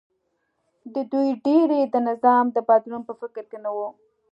د دوی ډېری د نظام د بدلون په فکر کې نه و